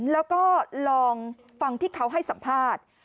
แล้วก็ลองฟังที่เขาให้สัมภาษณ์